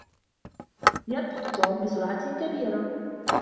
يركض توم بسرعة كبيرة.